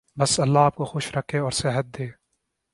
بس اللہ آپ کو خوش رکھے اور صحت دے۔